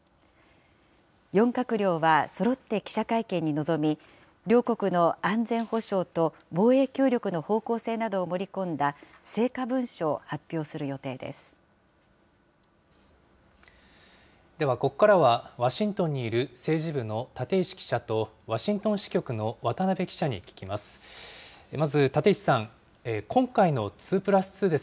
４閣僚はそろって記者会見に臨み、両国の安全保障と、防衛協力の方向性などを盛り込んだ成果文書をではここからは、ワシントンにいる政治部の立石記者と、ワシントン支局の渡辺記者に聞きます。